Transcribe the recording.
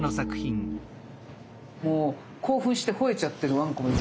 もう興奮してほえちゃってるわんこも。